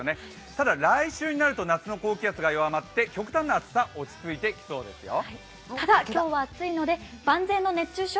ただ来週になると夏の高気圧が弱まって極端な暑さは落ち着いてきそうですよ。